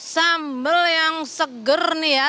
sambal yang seger nih ya